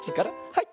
はい。